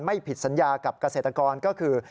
ไม่ผิดสัญญากับเกษตรกรก็คือ